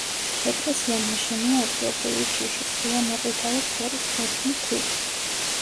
ეკლესია ნაშენია ადგილობრივი ჯიშის, ღია მოყვითალო ფერის, ფლეთილი ქვით.